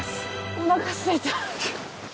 おなかすいた。